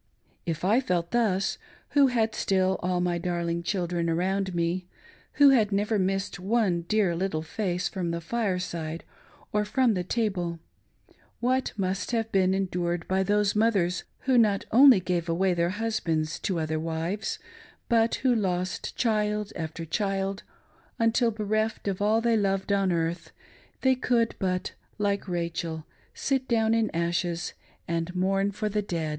If I felt' thus, who had still all my. dariing children around me, who had never missed one dear little face from the fireside or from the table ; what must have been endured by those mothers who not only gave away their husbands to other wives, but who lost child after child, until, bereft of all they loved on earthj they could but, like Rachael, sit down in ashes 1 and mourn for the dead